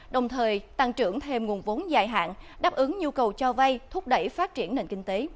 đồng thời tăng trưởng thêm nguồn vốn dài hạn đáp ứng nhu cầu cho vay thúc đẩy phát triển nền kinh tế